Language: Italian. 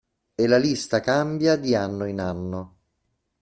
E la lista cambia di anno in anno.